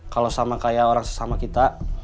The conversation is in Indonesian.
kalau sama kayak orang sesama kita